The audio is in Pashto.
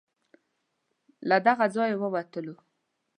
له دغه ځای ووتلو.